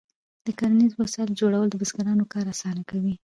د کرنیزو وسایلو جوړول د بزګرانو کار اسانه کوي.